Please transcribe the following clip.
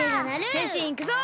へんしんいくぞ！